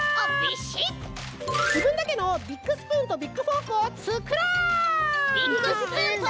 じぶんだけのビッグスプーンとビッグフォークをつくろう！